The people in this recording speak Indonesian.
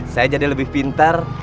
saya jadi lebih pinter